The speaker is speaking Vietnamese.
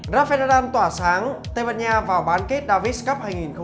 rafael adan tỏa sáng tây bật nha vào bán kết davis cup hai nghìn một mươi tám